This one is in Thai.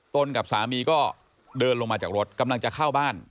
กับสามีก็เดินลงมาจากรถกำลังจะเข้าบ้าน